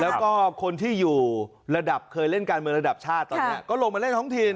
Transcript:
แล้วก็คนที่อยู่ระดับเคยเล่นการเมืองระดับชาติตอนนี้ก็ลงมาเล่นท้องถิ่น